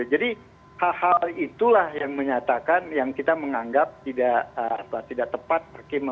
jadi hal hal itulah yang menyatakan yang kita menganggap tidak tepat